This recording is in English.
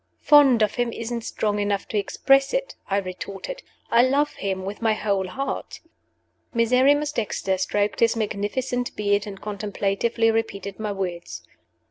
"Fond of him isn't strong enough to express it," I retorted. "I love him with my whole heart." Miserrimus Dexter stroked his magnificent beard, and contemplatively repeated my words.